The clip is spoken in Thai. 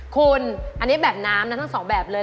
คุณอันนี้แบบน้ำนะทั้งสองแบบเลย